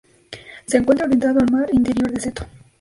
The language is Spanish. Se encuentra orientado al Mar Interior de Seto.